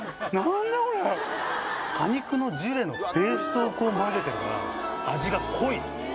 果肉のジュレのベースをこう混ぜてるから味が濃い。